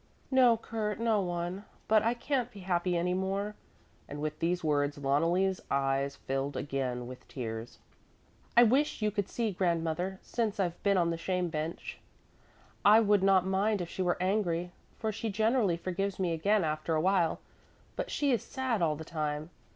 "No, Kurt, no one, but I can't be happy any more," and with these words Loneli's eyes filled again with tears. "I wish you could see grandmother since I've been on the shame bench. I would not mind if she were angry, for she generally forgives me again after a while; but she is sad all the time.